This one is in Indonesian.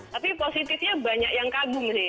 tapi positifnya banyak yang kagum sih